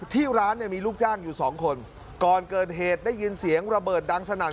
ที่ร้านเนี่ยมีลูกจ้างอยู่สองคนก่อนเกิดเหตุได้ยินเสียงระเบิดดังสนั่น